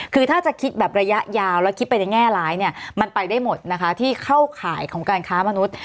คือถ้าจะคิดแบบระยะยาวแล้วคิดไปในแง่ร้ายเนี่ยมันไปได้หมดนะคะที่เข้าข่ายของการค้ามนุษย์